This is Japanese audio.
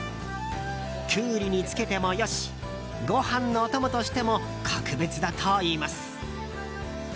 キュウリにつけてもよしご飯のお供としても格別だといいます。